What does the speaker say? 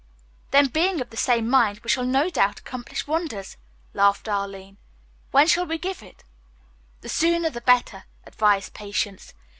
"Then, being of the same mind, we shall no doubt accomplish wonders," laughed Arline. "When shall we give it?" "The sooner, the better," advised Patience.